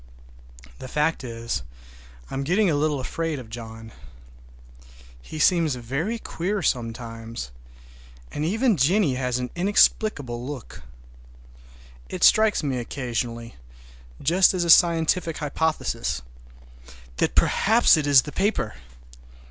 The fact is, I am getting a little afraid of John. He seems very queer sometimes, and even Jennie has an inexplicable look. It strikes me occasionally, just as a scientific hypothesis, that perhaps it is the paper!